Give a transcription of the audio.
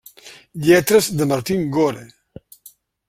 Lletres de Martin Gore.